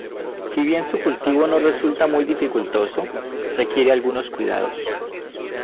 Si bien su cultivo no resulta muy dificultoso, requiere algunos cuidados.